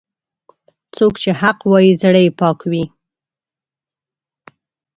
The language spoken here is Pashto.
څوک چې حق وايي، زړه یې پاک وي.